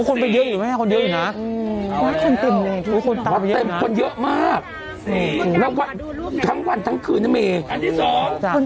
คนเยอะอยู่น่ะอืมคนเต็มคนเยอะมากทั้งวันทั้งคืนอันที่สอง